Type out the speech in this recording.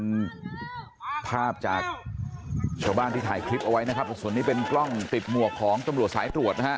เป็นภาพจากชาวบ้านที่ถ่ายคลิปเอาไว้นะครับส่วนนี้เป็นกล้องติดหมวกของตำรวจสายตรวจนะฮะ